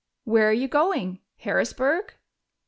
"Where are you going? Harrisburg?"